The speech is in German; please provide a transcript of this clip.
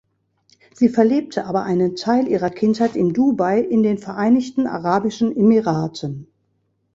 Sie verlebte aber einen Teil ihrer Kindheit in Dubai in den Vereinigten Arabischen Emiraten.